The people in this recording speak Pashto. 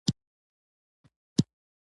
د هغه د لېږد له امله یې ستر قدرت ترلاسه کړ